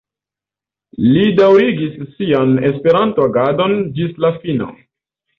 Li daŭrigis sian Esperanto-agadon ĝis la fino.